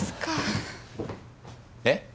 えっ？